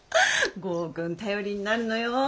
剛くん頼りになるのよ。